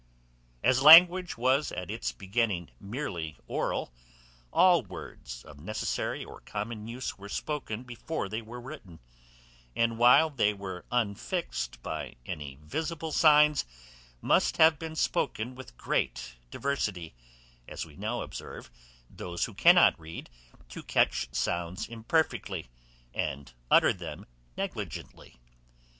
As language was at its beginning merely oral, all words of necessary or common use were spoken before they were written; and while they were unfixed by any visible signs, must have been spoken with great diversity, as we now observe those who cannot read catch sounds imperfectly, and utter them negligently.